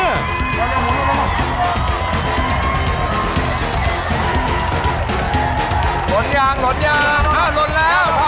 หล่นยังหล่นยังหล่นแล้วเท่ากันแล้ว